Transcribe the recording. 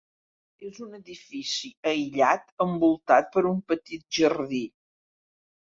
És un edifici aïllat envoltat per un petit jardí.